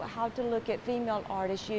jadi bagaimana cara melihat artis wanita